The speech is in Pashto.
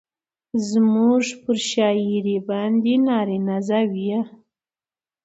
زموږ پر شاعرۍ باندې نارينه زاويه